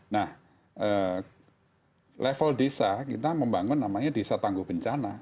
nah level desa kita membangun namanya desa tangguh bencana